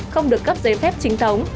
không được cấp giấy phép chính thống